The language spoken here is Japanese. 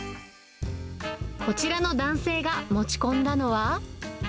こちらの男性が持ち込んだのは。